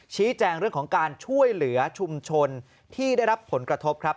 ชี้แจงเรื่องของการช่วยเหลือชุมชนที่ได้รับผลกระทบครับ